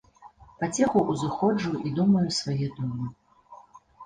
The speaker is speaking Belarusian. Паціху ўзыходжу і думаю свае думы.